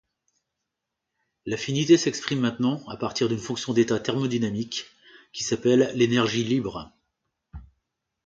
L'affinité s'exprime maintenant à partir d'une fonction d'état thermodynamique qui s'appelle l'énergie libre.